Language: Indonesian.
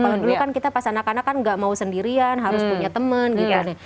kalau dulu kan kita pas anak anak kan gak mau sendirian harus punya teman gitu